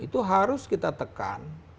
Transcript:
itu harus kita tekan